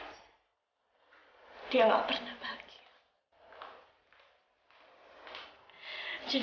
aku ingin mencari kesalahan